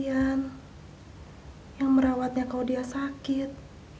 yang merawatnya kalau dia sakit